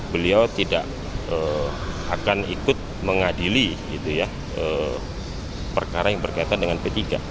beliau tidak akan ikut mengadili perkara yang berkaitan dengan p tiga